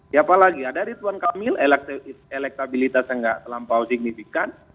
ya apalagi ada ritwan kamil elektabilitas yang nggak terlampau signifikan